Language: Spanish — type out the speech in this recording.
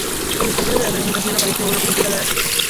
En los carteles de presentación aparece una pintura del artista.